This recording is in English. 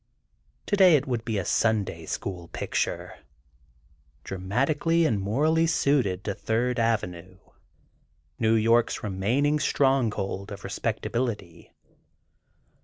Today, it would be a Sunday school picture, dramatically and morally suited to Third Avenue, New York's remaining stronghold of respectability.